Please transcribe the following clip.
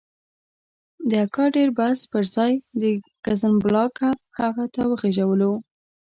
د اګادیر بس پر ځای د کزنبلاکه هغه ته وخېژولو.